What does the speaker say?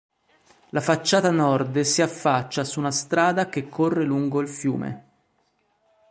La facciata nord si affaccia su una strada che corre lungo il fiume.